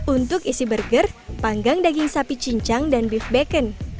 untuk isi burger panggang daging sapi cincang dan beef bacon